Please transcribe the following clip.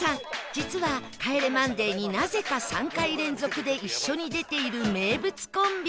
実は『帰れマンデー』になぜか３回連続で一緒に出ている名物コンビ